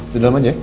sudah lama aja ya